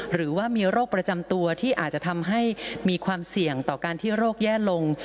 หรือว่ามีโรคประจำตัวที่อาจจะทำให้มีความเสี่ยงต่อการที่โรคแย่ลง